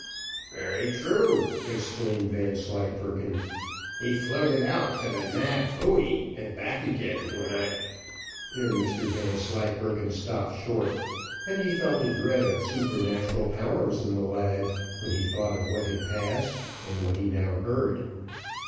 "Very true," exclaimed Vanslyperken; "he floated out to the Nab buoy and back again, when I " Here Mr Vanslyperken stopped short, and he felt a dread of supernatural powers in the lad, when he thought of what had passed and what he now heard.